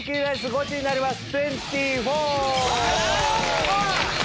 ゴチになります！